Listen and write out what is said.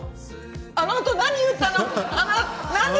あのあと何を言ったの？